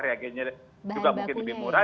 reagennya juga mungkin lebih murah